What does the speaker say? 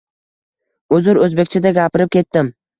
Uzr, oʻzbekchada gapirib ketdim.